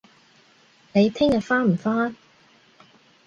你聽日返唔返